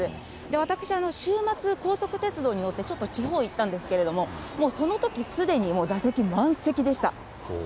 私、週末、高速鉄道に乗って、ちょっと地方に行ったんですけど、もうそのとき、すでに座席、満席でした。